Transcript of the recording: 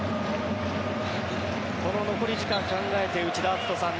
この残り時間を考えて内田篤人さん